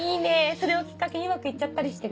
それをきっかけにうまくいっちゃったりしてね。